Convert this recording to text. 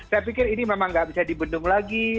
saya pikir ini memang nggak bisa dibendung lagi